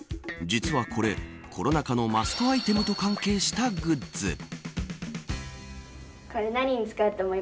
実は、これコロナ禍のマストアイテムと関係したグッズ。